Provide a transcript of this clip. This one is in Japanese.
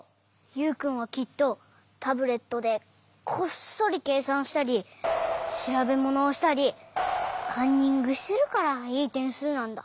ユウくんはきっとタブレットでこっそりけいさんしたりしらべものをしたりカンニングしてるからいいてんすうなんだ。